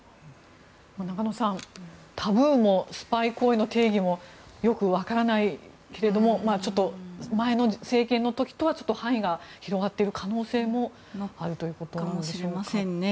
中野さん、タブーもスパイ活動の定義もよく分からないけれどもちょっと前の政権の時とは範囲が広がっている可能性もあるということですね。